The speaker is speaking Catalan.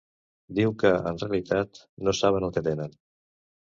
Diu que, en realitat, no saben el que tenen.